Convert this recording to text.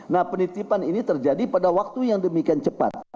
nah penitipan ini terjadi pada waktu yang demikian cepat